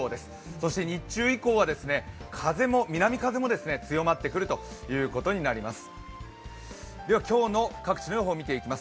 そして日中以降は南風も強まってくるということになります。